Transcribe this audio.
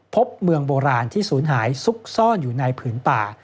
พบเมืองโบราณที่ศูนย์หายซุกซ่อนอยู่ในผืนป่า